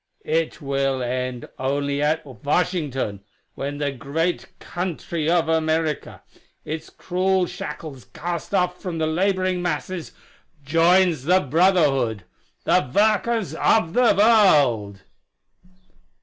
It will end only at Washington when the great country of America, its cruel shackles cast off from the laboring masses, joins the Brotherhood the Workers of the World!"